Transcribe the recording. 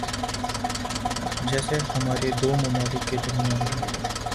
جیسے ہمارے دو ممالک کے درمیان ہیں۔